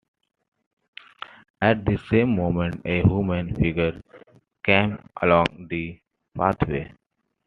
At the same moment a human figure came along the pathway.